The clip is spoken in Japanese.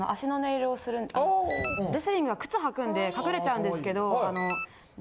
レスリングは靴はくんで隠れちゃうんですけど。